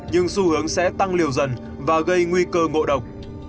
nhưng xu hướng sẽ tăng liều dần và gây nguy cơ ngộ độc